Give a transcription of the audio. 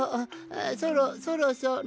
そろそろそろ。